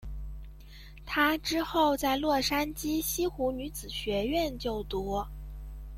她之后在洛杉矶西湖女子学院就读。